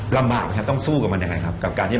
แล้วก็อยากรวยตามเขาเลยประมาณนั้น